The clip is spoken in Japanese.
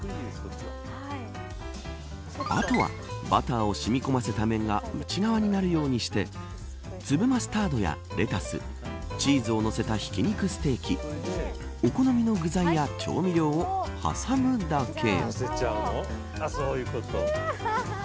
あとはバターをしみこませた面が内側になるようにして粒マスタードやレタスチーズを乗せたひき肉ステーキお好みの具材や調味料を挟むだけ。